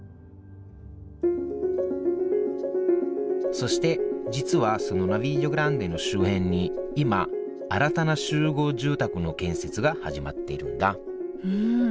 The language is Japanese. そして実はそのナヴィリオ・グランデの周辺に今新たな集合住宅の建設が始まっているんだうん